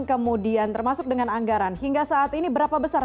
kemudian termasuk dengan anggaran hingga saat ini berapa besar